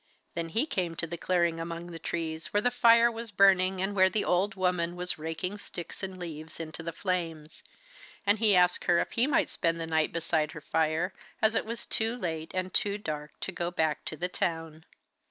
Then he came to the clearing among the trees, where the fire was burning and where the old woman was raking sticks and leaves into the flames. And he asked her if he might spend the night beside her fire, as it was too late and too dark to go back to the town.